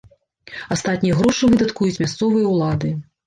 Астатнія грошы выдаткуюць мясцовыя улады.